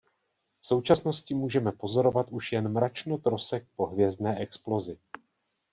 V současnosti můžeme pozorovat už jen mračno trosek po hvězdné explozi.